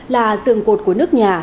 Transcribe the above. là rừng cột của nước nhà